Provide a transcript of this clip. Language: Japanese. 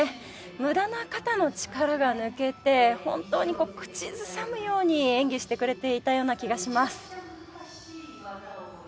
無駄な肩の力が抜けて本当にこう口ずさむように演技してくれていたような気がします。